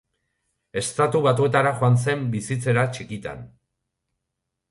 Estatu Batuetara joan zen bizitzera txikitan.